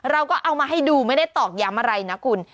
เราก็เอามาให้ดูไม่ได้ตอกย้ำอะไรนะคุณ